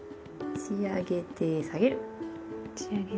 持ち上げて下げる。